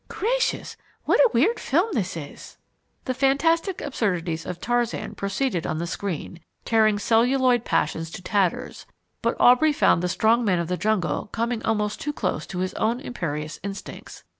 Gracious, what a weird film this is!" The fantastic absurdities of Tarzan proceeded on the screen, tearing celluloid passions to tatters, but Aubrey found the strong man of the jungle coming almost too close to his own imperious instincts.